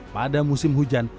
pada musim hujan